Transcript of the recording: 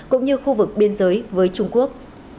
cũng như khu vực biên giới với trung quốc